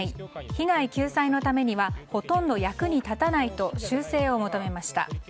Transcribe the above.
被害救済のためにはほとんど役に立たないと修正を求めました。